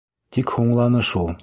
Тик һуңланы шул.